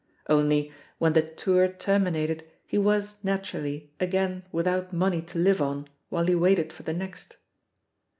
Only, when the tour ter minated, he was, naturally, again without money to live on while he waited for the next.